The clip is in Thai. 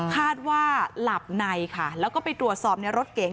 คาดว่าหลับในค่ะแล้วก็ไปตรวจสอบในรถเก๋ง